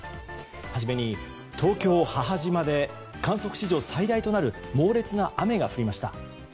初めに東京・母島で観測史上最大となる猛烈な雨が降りました。